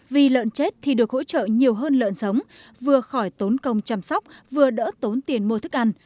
vì lợn chết thì được hỗ trợ nhiều hơn lợn sống vừa khỏi tốn công chăm sóc vừa đỡ tốn tiền mua thức ăn